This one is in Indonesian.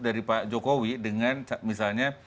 dari pak jokowi dengan